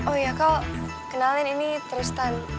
oh iya kau kenalin ini tristan